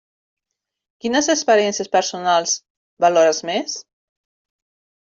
Quines experiències personals valores més?